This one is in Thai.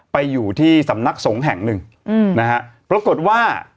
ไปอยู่ที่สำนักสงฆ์แห่งหนึ่งอืมนะฮะปรากฏว่า